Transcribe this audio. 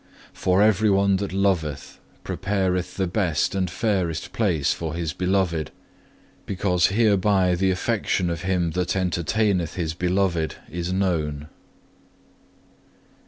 For everyone that loveth prepareth the best and fairest place for his beloved, because hereby the affection of him that entertaineth his beloved is known.